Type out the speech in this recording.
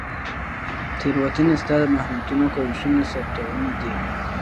تیروتنې ستا د محنتونو او کوښښونو ثبوتونه دي.